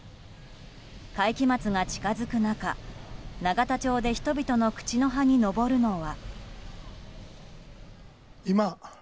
会期末が近づく中、永田町で人々の口の端に上るのは。